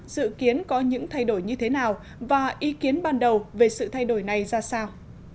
dự kiến có những thay đổi như thế nào và ý kiến ban đầu về sự thay đổi này ra sao